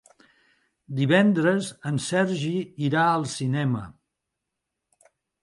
Divendres en Sergi irà al cinema.